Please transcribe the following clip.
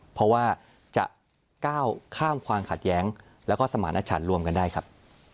เพราะว่าจะก้าวข้ามความขัดแย้งแล้วก็สมารณชันรวมกันได้ครับ